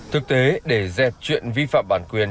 thực tế để dẹp chuyện vi phạm bản quyền